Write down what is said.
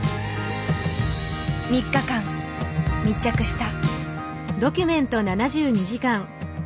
３日間密着した。